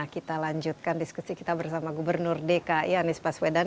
kita lanjutkan diskusi kita bersama gubernur dki anies baswedan